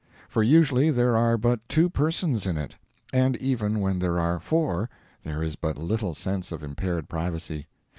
For usually there are but two persons in it; and even when there are four there is but little sense of impaired privacy.